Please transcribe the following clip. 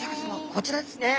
こちらですね。